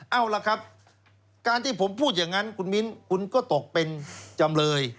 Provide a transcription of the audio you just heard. เอาล่ะครับการที่ผมพูดอย่างนั้นคุณมิ้นคุณก็ตกเป็นจำเลย